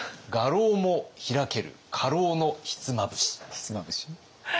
ひつまぶし？